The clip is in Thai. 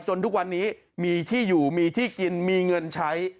ทุกวันนี้มีที่อยู่มีที่กินมีเงินใช้